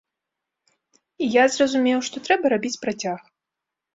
І я зразумеў, што трэба рабіць працяг.